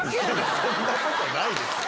そんなことないですよ。